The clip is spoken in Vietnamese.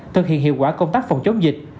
thực hiện hiệu quả công tác phòng chống dịch